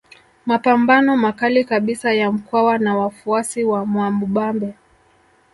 Mapambano makali kabisa ya Mkwawa na wafuasi wa Mwamubambe